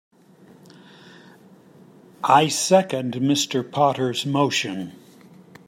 I second Mr. Potter's motion.